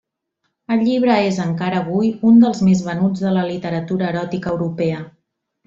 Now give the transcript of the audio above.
El llibre és, encara avui, un dels més venuts de la literatura eròtica europea.